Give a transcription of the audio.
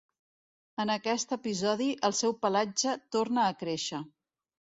En aquest episodi, el seu pelatge torna a créixer.